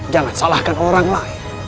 jangan salahkan orang lain